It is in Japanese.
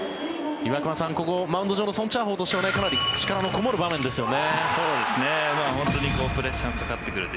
岩隈さん、ここマウンド上のソン・チャーホウとしてはかなり力のこもる場面ですよね。